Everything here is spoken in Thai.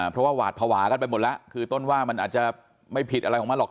เพราะว่าหวาดภาวะกันไปหมดแล้วคือต้นว่ามันอาจจะไม่ผิดอะไรของมันหรอก